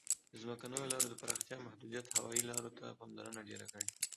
د ځمکنیو لارو د پراختیا محدودیت هوایي لارو ته پاملرنه ډېره کړې.